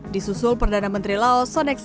disusul perdana menteri laos sonek saisi